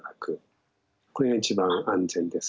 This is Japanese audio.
これが一番安全です。